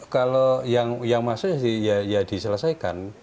kalau yang masuk ya diselesaikan